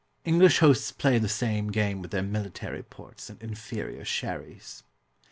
English hosts play the same game with their "military" ports and inferior sherries.